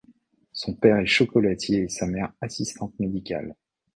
Son père est chocolatier et sa mère assistante médicale.